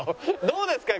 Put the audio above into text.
どうですか？